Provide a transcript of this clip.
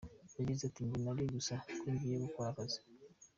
Yagize ati:" Njye nari nzi gusa ko ngiye gukora akazi.